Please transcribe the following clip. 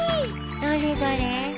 どれどれ？